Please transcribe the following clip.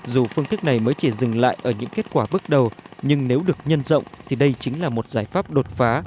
dù phương thức này mới chỉ dừng lại ở những kết quả bước đầu nhưng nếu được nhân rộng thì đây chính là một giải pháp đột phá